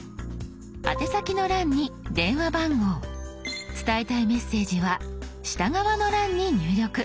宛先の欄に電話番号伝えたいメッセージは下側の欄に入力。